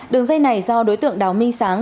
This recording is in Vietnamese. đường dây này do đối tượng đào minh sáng